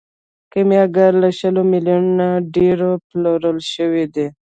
کیمیاګر له شلو میلیونو ډیر پلورل شوی دی.